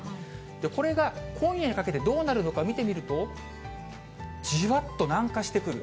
で、これが今夜にかけてどうなるのか見てみると、じわっと南下してくる。